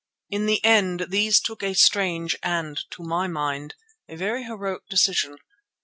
In the end these took a strange and, to my mind, a very heroic decision.